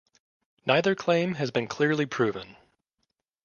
Neither claim has been clearly proven.